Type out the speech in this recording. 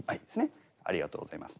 ありがとうございます。